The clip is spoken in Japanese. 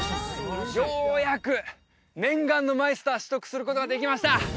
ようやく念願のマイスター取得することができました